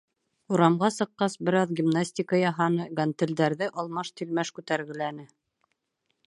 Урамға сыҡҡас, бер аҙ гимнастика яһаны, гантелдәрҙе алмаш-тилмәш күтәргеләне.